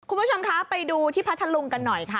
คุณผู้ชมคะไปดูที่พัทธลุงกันหน่อยค่ะ